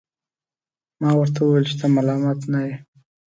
ما ورته وویل چي ته ملامت نه یې.